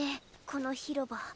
この広場。